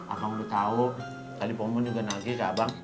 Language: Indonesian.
abang udah tau tadi poh mumun juga nagih ke abang